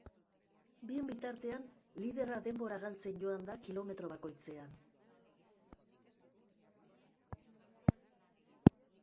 Bien bitartean, liderra denbora galtzen joan da kilometro bakoitzean.